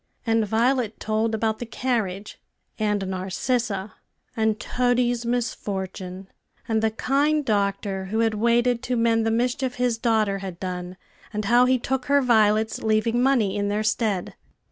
And Violet told about the carriage, and Narcissa, and Toady's misfortune, and the kind doctor, who had waited to mend the mischief his daughter had done, and how he took her violets, leaving money in their stead.